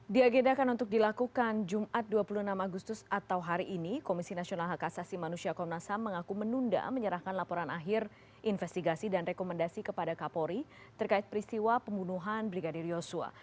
diagendakan untuk dilakukan jumat dua puluh enam agustus atau hari ini komisi nasional hak asasi manusia komnas ham mengaku menunda menyerahkan laporan akhir investigasi dan rekomendasi kepada kapolri terkait peristiwa pembunuhan brigadir yosua